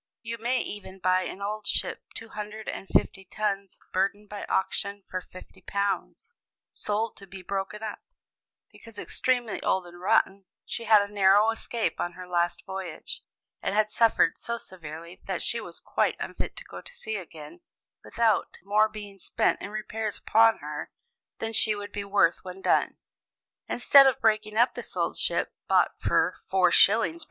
"You may even buy an old ship two hundred and fifty tons burden by auction for £50, sold to be broken up, because extremely old and rotten; she had a narrow escape on her last voyage, and had suffered so severely that she was quite unfit to go to sea again without more being spent in repairs upon her than she would be worth when done. Instead of breaking up this old ship, bought for 4s.